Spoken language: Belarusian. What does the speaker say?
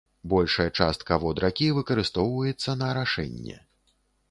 Большая частка вод ракі выкарыстоўваецца на арашэнне.